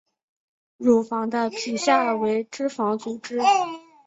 乳房的皮下为脂肪组织。